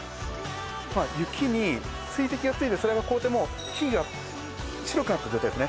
まあ雪に水滴がついてそれが凍ってもう木が白くなった状態ですね